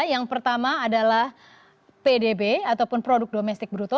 yang pertama adalah pdb ataupun product domestic bruto